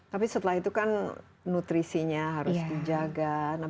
tapi setelah itu kan nutrisinya harus dijaga